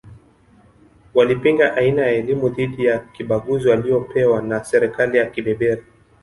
Walipinga aina ya elimu dhidi ya kibaguzi waliyopewa na serikali ya kibeberu